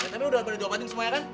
tapi udah dobatin semuanya kan